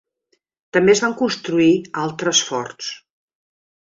També es van construir altres forts.